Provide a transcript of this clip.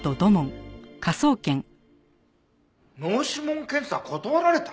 脳指紋検査断られた？